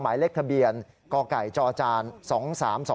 หมายเลขทะเบียนกจ๒๓๒๐ต่าง